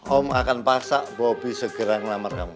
om akan pasak bobby segera ngelamar kamu